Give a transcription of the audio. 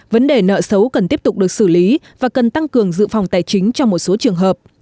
vấn đề nợ xấu cần tiếp tục được xử lý và cần tăng cường dự phòng tài chính cho một số trường hợp